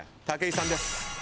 武井さんです。